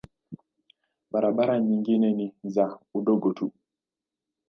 Barabara nyingine ni za udongo tu.